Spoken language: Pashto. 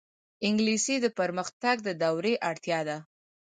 انګلیسي د پرمختګ د دورې اړتیا ده